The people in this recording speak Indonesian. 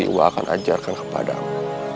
nanti aku akan ajarkan kepadamu